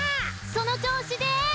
そのちょうしです！